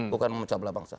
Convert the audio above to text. bukan mencabla bangsa